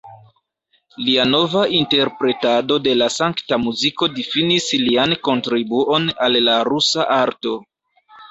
Lia nova interpretado de la sankta muziko difinis lian kontribuon al la rusa arto.